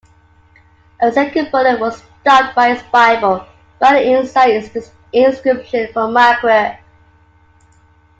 A second bullet was stopped by his Bible, bearing an inside inscription from Margaret.